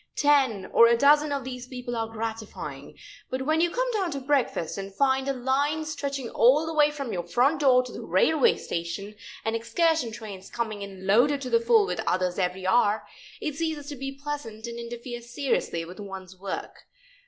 Ten or a dozen of these people are gratifying, but when you come down to breakfast and find a line stretching all the way from your front door to the railway station, and excursion trains coming in loaded to the full with others every hour, it ceases to be pleasant and interferes seriously with one's work.